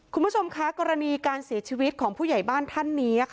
คุณผู้ชมคะกรณีการเสียชีวิตของผู้ใหญ่บ้านท่านนี้